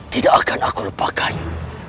tidak akan lupakanmu